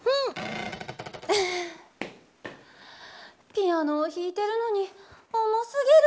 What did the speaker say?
ピアノをひいてるのに重すぎる。